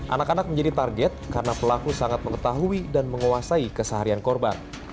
anak anak menjadi target karena pelaku sangat mengetahui dan menguasai keseharian korban